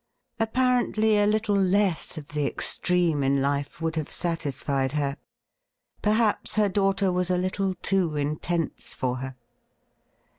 Apparently a little less of the extreme in life would have satisfied her. Perhaps her daughter was a little too intense for her.